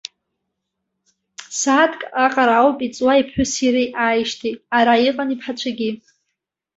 Сааҭк аҟара ауп иҵуа иԥҳәыси иареи ааижьҭеи, ара иҟан иԥҳацәагьы.